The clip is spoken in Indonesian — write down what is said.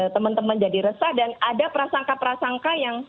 teman teman jadi resah dan ada prasangka prasangka yang